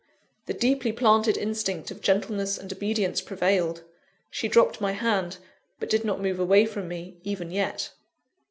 The deeply planted instinct of gentleness and obedience prevailed; she dropped my hand, but did not move away from me, even yet.